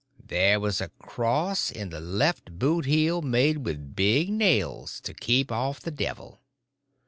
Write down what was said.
There was a cross in the left boot heel made with big nails, to keep off the devil.